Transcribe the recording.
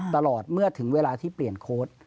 ตลอดเมื่อถึงเวลาที่เปลี่ยนโค้ด